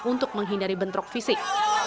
untuk menghindari bentrok fisik